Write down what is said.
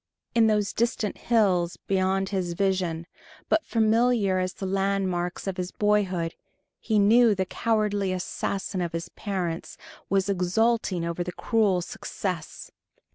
In those distant hills, beyond his vision but familiar as the landmarks of his boyhood, he knew the cowardly assassin of his parents was exulting over the cruel success.